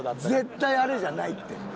絶対あれじゃないって。